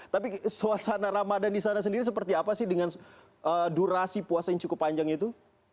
tapi suasana ramadan di sana sendiri seperti apa sih dengan durasi puasa yang cukup panjang itu